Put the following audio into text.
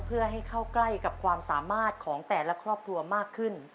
เพื่อให้เข้าใกล้กับความสามารถของแต่ละครอบครัวมากขึ้น